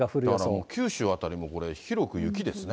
だから九州辺りもこれ、広く雪ですね。